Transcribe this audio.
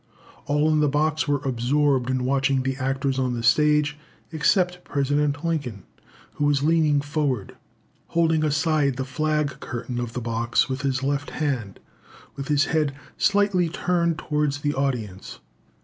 All in the box were absorbed in watching the actors on the stage, except President Lincoln, who was leaning forward, holding aside the flag curtain of the box with his left hand, with his head slightly turned towards the audience.